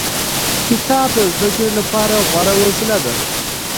کتاب د زده کړې لپاره غوره وسیله ده.